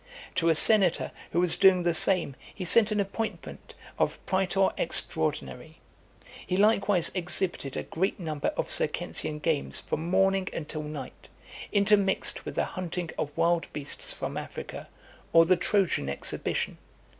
To a senator, who was doing the same, he sent an appointment of praetor extraordinary. He likewise exhibited a great number of Circensian games from morning until night; intermixed with the hunting of wild beasts from Africa, or the Trojan exhibition.